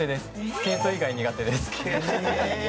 スケート以外苦手です。